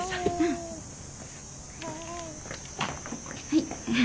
はい。